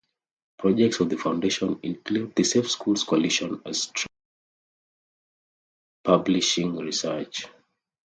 Projects of the foundation include the Safe Schools Coalition Australia and publishing research.